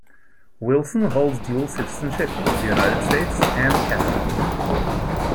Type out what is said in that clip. Wilson holds dual citizenship of the United States and Canada.